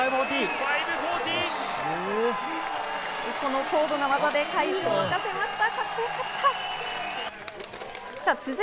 この高度な技で会場を沸かせました。